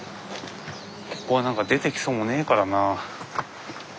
ここは何か出てきそうもねえからな。